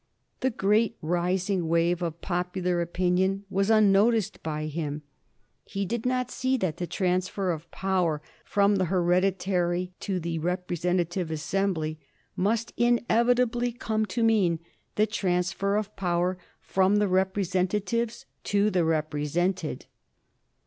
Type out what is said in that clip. The great rising wave of popu lar opinion was unnoticed by him. He did not see that l':43. "THE DRUiVKEN ADMINISTRATION." 241 tl:c traiisfcr of power from the hereditary to the represen tative assembly mast inevitably come to mean the trans fer of power from the representatives to the represented.